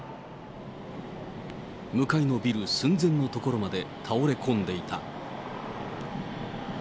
向かいのビル寸前の所まで倒れ込んでいた。